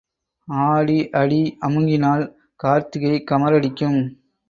ஆடி அடி அமுங்கினால் கார்த்திகை கமறடிக்கும்.